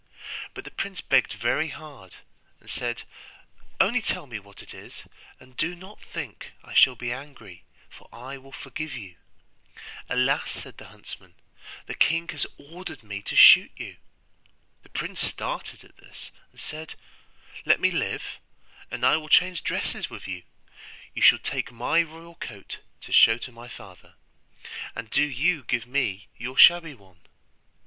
But the prince begged very hard, and said, 'Only tell me what it is, and do not think I shall be angry, for I will forgive you.' 'Alas!' said the huntsman; 'the king has ordered me to shoot you.' The prince started at this, and said, 'Let me live, and I will change dresses with you; you shall take my royal coat to show to my father, and do you give me your shabby one.